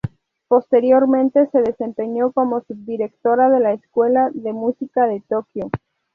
Posteriormente se desempeñó como subdirectora de la Escuela de música de Tokio.